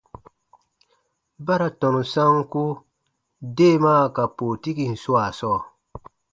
Ba ra tɔnu sanku deemaa ka pootikin swaa sɔɔ.